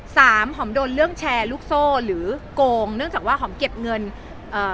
หอมโดนเรื่องแชร์ลูกโซ่หรือโกงเนื่องจากว่าหอมเก็บเงินเอ่อ